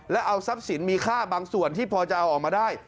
และเอาทรัพย์สินมีค่าบางส่วนที่พอจะเอาออกมาได้